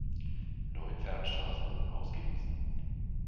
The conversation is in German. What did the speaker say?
Neun Fernstraßen wurden ausgewiesen.